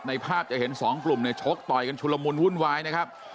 ภาพจะเห็นสองกลุ่มเนี่ยชกต่อยกันชุลมุนวุ่นวายนะครับ